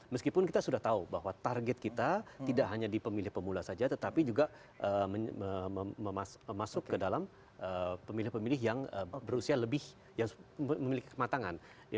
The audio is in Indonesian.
meskipun kita sudah tahu bahwa target kita tidak hanya di pemilih pemula saja tetapi juga masuk ke dalam pemilih pemilih yang berusia lebih yang memiliki kematangan